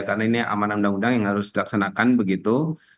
karena ini amanah undang undang yang harus dilaksanakan begitu